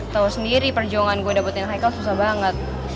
tau sendiri perjuangan gue dapetin haikal susah banget